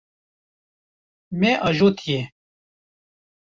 Me ajotiye.